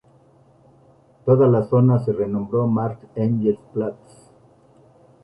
Toda la zona se renombró "Marx-Engels-Platz".